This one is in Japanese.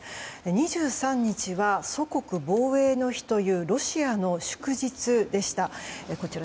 ２３日は祖国防衛の日というロシアの祝日でした。